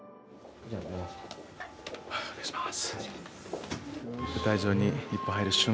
お願いします。